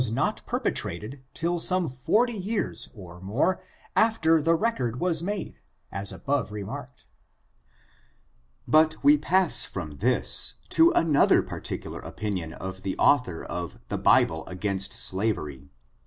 126 ^ not perpetrated till some forty years or more after the record was made, as above remarked* But we pass fiom this to another particular opin ion of the author of '^The Bible against Slavery.'